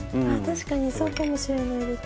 確かにそうかもしれないです。